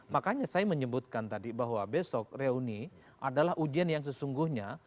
makanya saya menyebutkan tadi bahwa besok reuni adalah ujian yang sesungguhnya